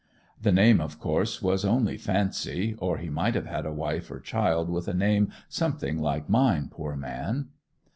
The name of course was only fancy, or he might have had a wife or child with a name something like mine, poor man!